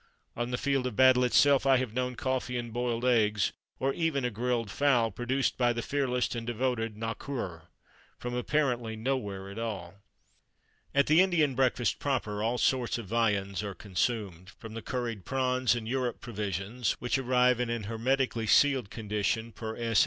On the field of battle itself I have known coffee and boiled eggs or even a grilled fowl produced by the fearless and devoted nokhur, from, apparently, nowhere at all. At the Indian breakfast proper, all sorts of viands are consumed; from the curried prawns and Europe provisions (which arrive in an hermetically sealed condition per s.